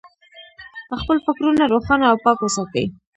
خپل فکرونه روښانه او پاک وساتئ.